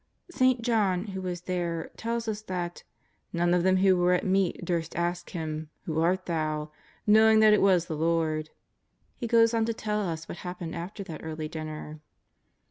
St. John, who was there, tells us that " none of them who were at meat durst ask Him :* Who art Thou V '' knowing that it was the Lord. He goes on to tell us what happened after that early dinner.